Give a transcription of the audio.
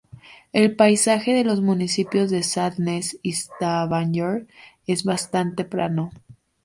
El paisaje de los municipios de Sandnes y Stavanger es bastante plano.